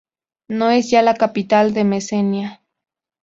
No es ya la capital de Mesenia.